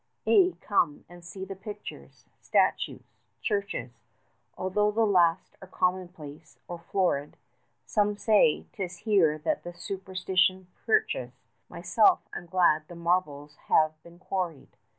Ay, come, and see the pictures, statues, churches, Although the last are commonplace, or florid. Some say 'tis here that superstition perches, 35 Myself I'm glad the marbles have been quarried.